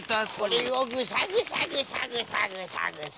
これをぐしゃぐしゃぐしゃぐしゃぐしゃぐしゃ。